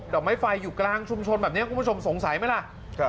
อกไม้ไฟอยู่กลางชุมชนแบบนี้คุณผู้ชมสงสัยไหมล่ะ